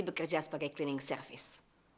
bekerja sebagai cleaning service